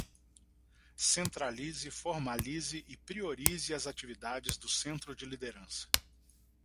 Centralize, formalize e priorize as atividades do Centro de Liderança.